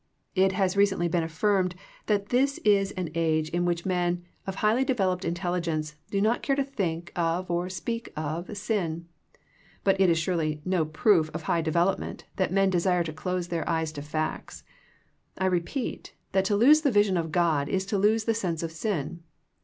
It has recently been affirmed that this is an age THE PLATFOEM OF PEAYEE 37 in which men of highly developed intelligence do not care to think of or speak of sin, but it is surely no proof of high development that men desire to close their eyes to facts. I repeat, that to lose tho vision of God is to lose the sense of sin.